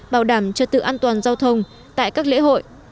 bảo đảm trật tự an toàn giao thông tại các lễ hội